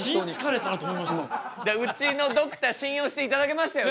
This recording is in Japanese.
うちのドクター信用していただけましたよね？